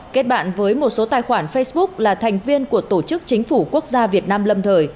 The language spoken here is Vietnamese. kết bạn với một số tài khoản facebook là thành viên của tổ chức chính phủ quốc gia việt nam lâm thời